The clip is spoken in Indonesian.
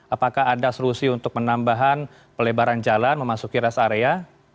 apakah ada solusi untuk menambahan pelebaran jalan memasuki rest area